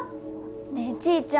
ねえちーちゃん